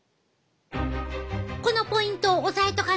このポイントを押さえとかんと